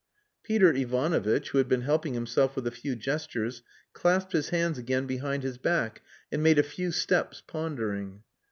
Peter Ivanovitch, who had been helping himself with a few gestures, clasped his hands again behind his back, and made a few steps, pondering.